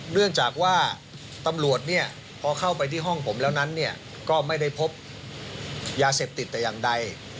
เนื่องจากว่าตำรวจเนี่ยพอเข้าไปที่ห้องผมแล้วนั้นเนี่ยก็ไม่ได้พบยาเสพติดแต่อย่างใด